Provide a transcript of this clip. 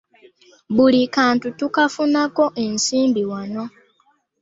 Buli kantu tukafunako ensimbi wano.